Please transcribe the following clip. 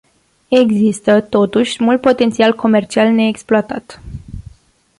Există, totuși, mult potențial comercial neexploatat.